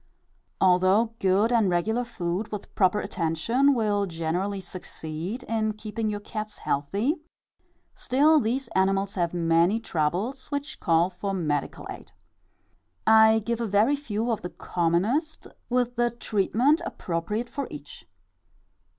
Although good and regular food, with proper attention, will generally succeed in keeping your cats healthy, still these animals have many troubles which call for medical aid. I give a very few of the commonest, with the treatment appropriate for each.